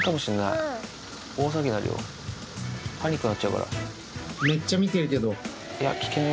パニックになっちゃうから。